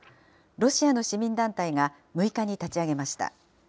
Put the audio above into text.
ロシアの市民団体が６日に立ち上げました。